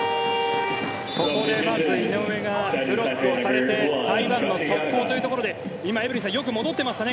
ここでまず井上がブロックをされて台湾の速攻というところでエブリンさんよく戻ってましたね